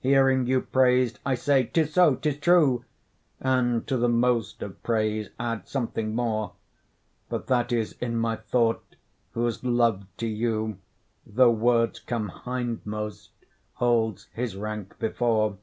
Hearing you praised, I say ''tis so, 'tis true,' And to the most of praise add something more; But that is in my thought, whose love to you, Though words come hindmost, holds his rank before.